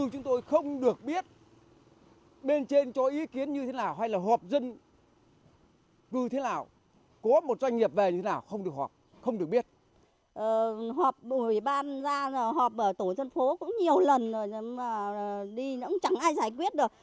họp ủy ban ra họp ở tổ chân phố cũng nhiều lần rồi chẳng ai giải quyết được